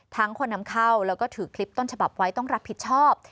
คนนำเข้าแล้วก็ถือคลิปต้นฉบับไว้ต้องรับผิดชอบ